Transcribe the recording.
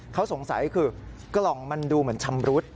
เขาสงสัยคือกล่องมันดูเหมือนชำรุด